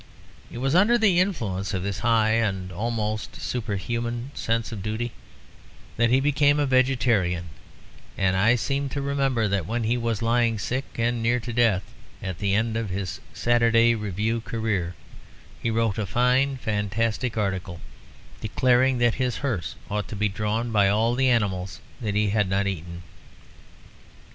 It was under the influence of this high and almost superhuman sense of duty that he became a vegetarian; and I seem to remember that when he was lying sick and near to death at the end of his Saturday Review career he wrote a fine fantastic article, declaring that his hearse ought to be drawn by all the animals that he had not eaten.